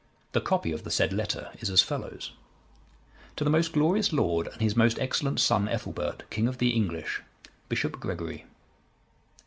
The copy of the said letter is as follows: "_To the most glorious lord, and his most excellent son, Ethelbert, king of the English, Bishop Gregory.